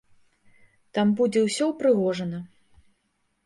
Там будзе ўсё ўпрыгожана.